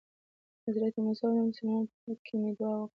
د حضرت موسی او نورو مسلمانانو په حق کې مې دعا وکړه.